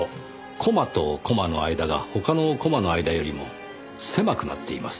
コマとコマの間が他のコマの間よりも狭くなっています。